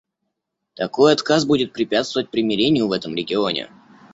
Такой отказ будет препятствовать примирению в этом регионе.